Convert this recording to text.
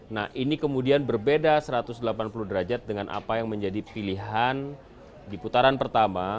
nah ini kemudian berbeda satu ratus delapan puluh derajat dengan apa yang menjadi pilihan di putaran pertama